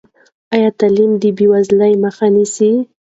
ایا تعلیم د بېوزلۍ مخه نیسي؟